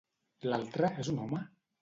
L'altre és un home?